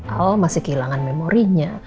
al masih kehilangan memorinya